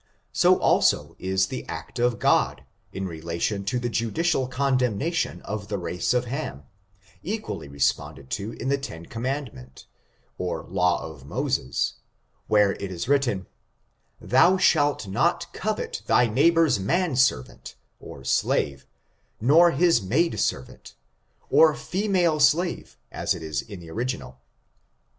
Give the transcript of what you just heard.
So also is the act of God, in relation to the judical con demnation of the race of Ham, equally responded to in the ten commandment, or law of Moses, where it is written, " thou shalt not covet thy neighbor's man servant (or slave), nor his maid servant," or fe male slave, as it is in the original.